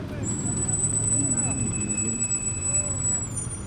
Mí mará mɔ hɛ̧ɛ̧ léŋ.